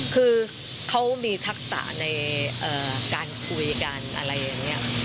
คือเขามีทักษะในการคุยกันอะไรอย่างนี้